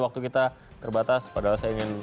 waktu kita terbatas padahal saya ingin